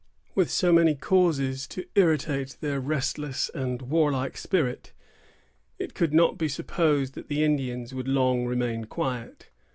With so many causes to irritate their restless and warlike spirit, it could not be supposed that the Indians would long remain quiet.